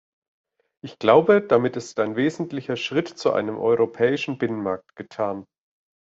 Ich glaube, damit ist ein wesentlicher Schritt zu einem europäischen Binnenmarkt getan.